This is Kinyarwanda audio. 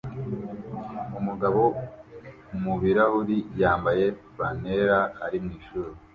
Umugabo mubirahuri yambaye flannel ari mwishuri